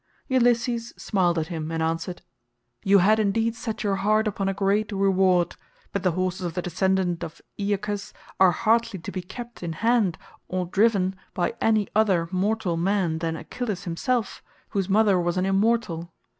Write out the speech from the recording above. Ulysses smiled at him and answered, "You had indeed set your heart upon a great reward, but the horses of the descendant of Aeacus are hardly to be kept in hand or driven by any other mortal man than Achilles himself, whose mother was an immortal.